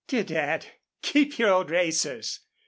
"Dear Dad, keep your old racers!